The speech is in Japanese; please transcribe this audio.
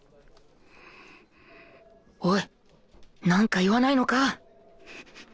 おいなんか言わないのか？